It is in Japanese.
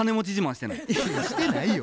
してないよ。